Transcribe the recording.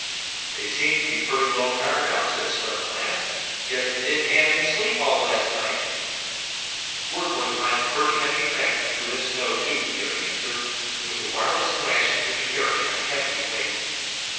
"They seem to be pretty well tired out," said Slim at last. "Guess they didn't have any sleep at all last night." "We're going to find it pretty heavy tramping through that snow, too," Jerry answered. "And with the wireless and rations we'll be carrying a hefty weight."